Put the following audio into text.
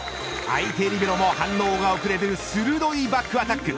相手リベロも反応が遅れる鋭いバックアタック。